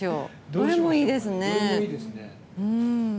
どれもいいですね。